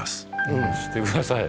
うんしてください